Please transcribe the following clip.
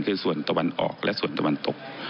คือส่วนตะวันออกและส่วนตะวันตก